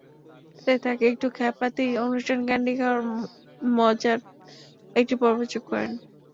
তাই তাঁকে একটু খ্যাপাতেই অনুষ্ঠানে ক্যান্ডি খাওয়ার মজার একটি পর্ব যোগ করেন।